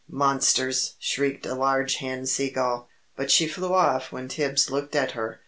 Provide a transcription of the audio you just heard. "Monsters!" shrieked a large hen sea gull, but she flew off when Tibbs looked at her.